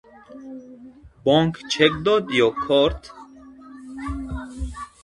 Бонк чек дод ё корт?